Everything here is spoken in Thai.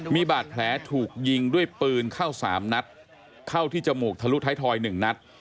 มีบาดแผลถูกยิงด้วยปืนเข้า๓นัดเข้าที่จมูกทะลุท้ายทอย๑นัด